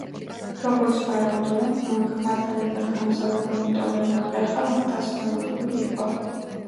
როგორც ვარაუდობენ, მან ქმართან ერთად გამგზავრება იმიტომ ვერ მოახერხა რომ დასნეულებული იყო.